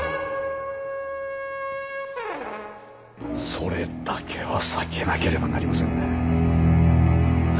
それだけは避けなければなりませんね。